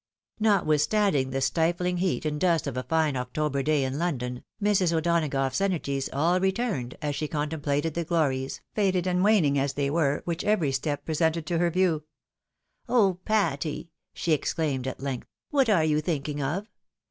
Notwithstanding the stifling heat and dust of a fine October day in I.rondon, Mrs. O'Donagough's energies aU re turned, as she contemplated the glories, faded and waning as they were, which every step presented to her view. "Oh, Patty! " she exclaimed at length, " what are you thinking of?